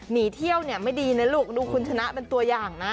หนีเที่ยวเนี่ยไม่ดีนะลูกดูคุณชนะเป็นตัวอย่างนะ